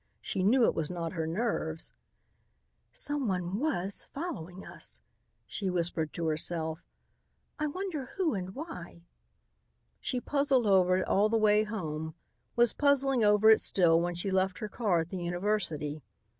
She knew it was not her nerves. "Someone was following us!" she whispered to herself. "I wonder who and why." She puzzled over it all the way home; was puzzling over it still when she left her car at the university.